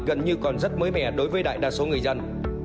gần như còn rất mới mẻ đối với đại đa số người dân